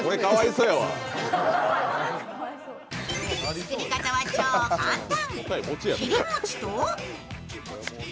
作り方は超簡単。